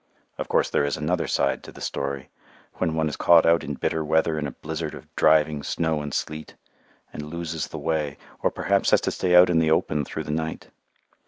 Of course there is another side to the story, when one is caught out in bitter weather in a blizzard of driving snow and sleet, and loses the way, or perhaps has to stay out in the open through the night.